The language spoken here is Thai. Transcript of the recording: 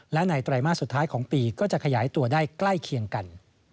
และในไตรมาสสุดท้ายของปีก็จะขยายตัวได้ใกล้เคียงกัน